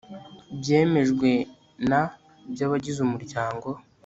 byemejwe na by abagize Umuryango